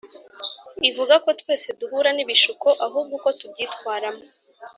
ivuga ko twese duhura n ibishuko ahubwo uko tubyitwaramo.